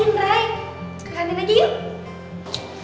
nggak ada kerjaan